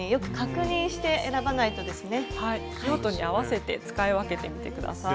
用途に合わせて使い分けてみて下さい。